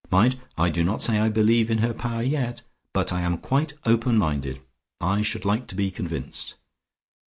Mind! I do not say I believe in her power yet, but I am quite open minded; I should like to be convinced.